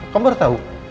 kamu baru tahu